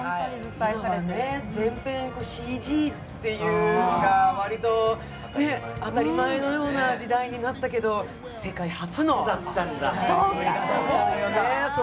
全編ＣＧっていうのがわりと当たり前のような時代になったけど世界初の劇場公開だったのね。